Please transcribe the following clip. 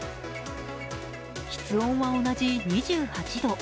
室温は同じ２８度。